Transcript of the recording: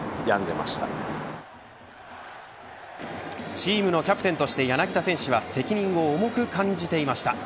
チームのキャプテンとして柳田選手は責任を重く感じていました。